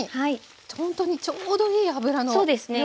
ほんとにちょうどいい油の量ですね。